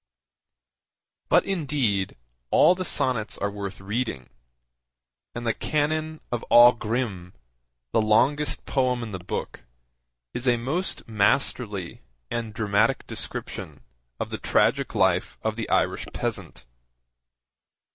But, indeed, all the sonnets are worth reading, and The Canon of Aughrim, the longest poem in the book, is a most masterly and dramatic description of the tragic life of the Irish peasant.